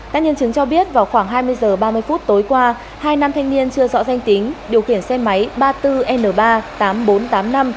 các nhân chứng cho biết vào khoảng hai mươi h ba mươi phút tối qua hai nam thanh niên chưa rõ danh tính điều khiển xe máy ba mươi bốn n ba tám nghìn bốn trăm tám mươi năm